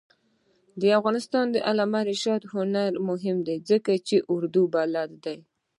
د علامه رشاد لیکنی هنر مهم دی ځکه چې اردو بلد دی.